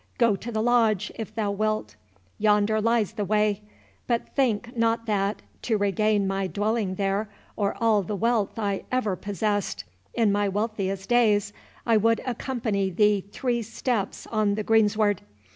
—Go to the Lodge, if thou wilt—yonder lies the way—but think not that, to regain my dwelling there, or all the wealth I ever possessed in my wealthiest days, I would accompany thee three steps on the greensward.